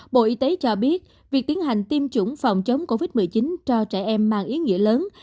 bộ y tế cho biết việc tiến hành tiêm chủng phòng chống covid một mươi chín cho trẻ em mang ý nghĩa lớn